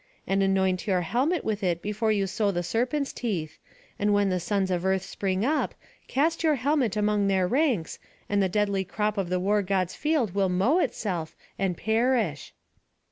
And anoint your helmet with it before you sow the serpents' teeth; and when the sons of earth spring up, cast your helmet among their ranks, and the deadly crop of the War god's field will mow itself, and perish."